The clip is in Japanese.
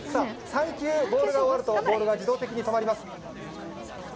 ３球ボールが終わると自動的に止まります。